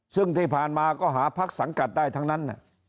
ซึ่งที่ผ่านมาก็หาพักสังกัดได้ทั้งนั้น